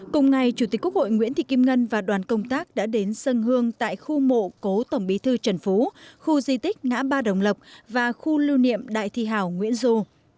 cùng ngày chủ tịch quốc hội nguyễn thị kim ngân và đoàn công tác đã đến sân hương tại khu mộ cố tổng bí thư trần phú khu di tích ngã ba đồng lộc và khu lưu niệm đại thi hảo nguyễn du